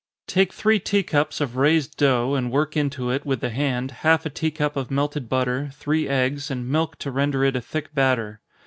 _ Take three tea cups of raised dough, and work into it, with the hand, half a tea cup of melted butter, three eggs, and milk to render it a thick batter.